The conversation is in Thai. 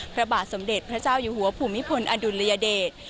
พระบาทสมเด็จพระเจ้าอยู่หัวภูมิพลอดุลยเดช